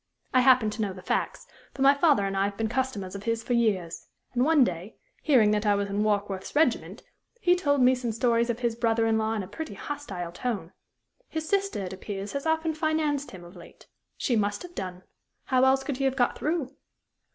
I happen to know the facts, for my father and I have been customers of his for years, and one day, hearing that I was in Warkworth's regiment, he told me some stories of his brother in law in a pretty hostile tone. His sister, it appears, has often financed him of late. She must have done. How else could he have got through?